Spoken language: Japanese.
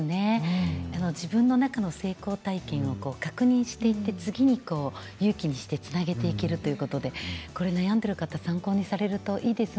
自分の中の成功体験を確認していって次にこう勇気にしてつなげていけるということでこれ悩んでる方参考にされるといいですね。